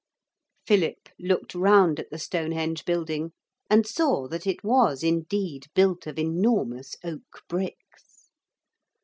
Philip looked round at the Stonehenge building and saw that it was indeed built of enormous oak bricks.